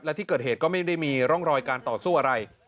และที่เกิดเหตุก็ไม่ได้มีร่องรอยการต่อสู้อะไร